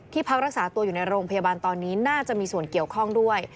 พักรักษาตัวอยู่ในโรงพยาบาลตอนนี้น่าจะมีส่วนเกี่ยวข้องด้วย